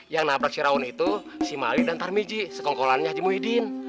yang nabrak siraun itu si mali dan tarmiji sekongkolannya haji muhyiddin